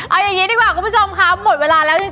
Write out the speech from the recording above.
เอาอย่างนี้ดีกว่าคุณผู้ชมค่ะหมดเวลาแล้วจริง